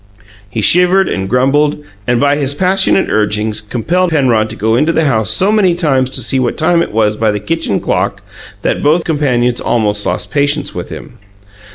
He shivered and grumbled, and, by his passionate urgings, compelled Penrod to go into the house so many times to see what time it was by the kitchen clock that both his companions almost lost patience with him.